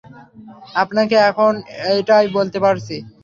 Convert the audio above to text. আপনাকে এখন এটাই বলতে পারছি।